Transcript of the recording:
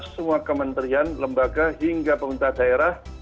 semua kementerian lembaga hingga pemerintah daerah